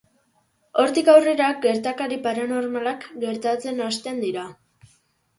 Hortik aurrera, gertakari paranormalak gertatzen hasten dira.